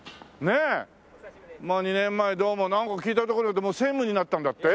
２年前どうもなんか聞いたところによるともう専務になったんだって？